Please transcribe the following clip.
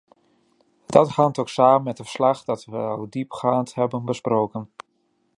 Dat hangt ook samen met het verslag dat we al diepgaand hebben besproken.